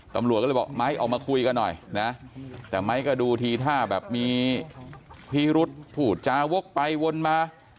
ตำรวจก็เลยบอกไม้ออกมาคุยกันหน่อยนะแต่ไม้ก็ดูทีท่าแบบมีพิรุษพูดจาวกไปวนมา